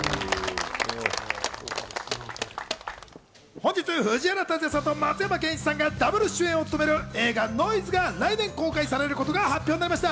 本日、藤原竜也さんと松山ケンイチさんがダブル主演を務める映画『ノイズ』が来年公開されることが発表になりました。